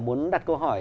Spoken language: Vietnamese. muốn đặt câu hỏi